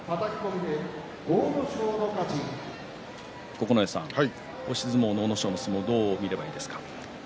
九重さん、押し相撲の阿武咲の相撲どうですか？